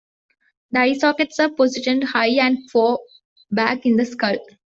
The eye sockets are positioned high and far back in the skull.